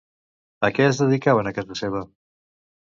A què es dedicaven a casa seva?